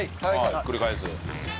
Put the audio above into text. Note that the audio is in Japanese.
ひっくり返す。